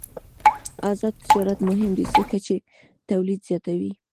آزاد تجارت مهم دی ځکه چې تولید زیاتوي.